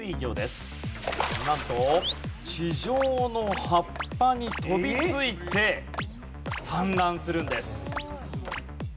なんと地上の葉っぱに飛びついて産卵するんです。